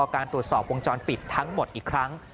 การตรวจสอบวงจรปิดทั้งหมดอีกครั้ง